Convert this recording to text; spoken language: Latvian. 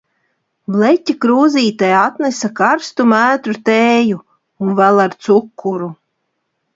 Bleķa krūzītē atnesa karstu mētru tēju un vēl ar cukuru.